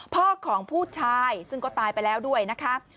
พ่อของผู้ชายซึ่งก็ตายไปแล้วด้วยนะคะ